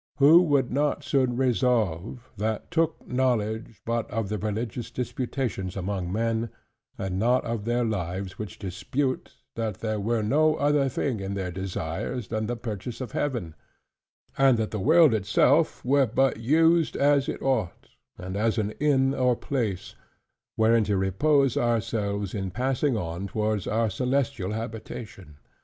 Who would not soon resolve, that took knowledge but of the religious disputations among men, and not of their lives which dispute, that there were no other thing in their desires, than the purchase of Heaven; and that the world itself were but used as it ought, and as an inn or place, wherein to repose ourselves in passing on towards our celestial habitation?